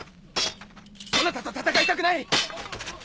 そなたと戦いたくない！